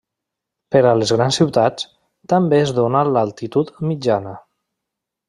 Per a les grans ciutats, també es dóna l'altitud mitjana.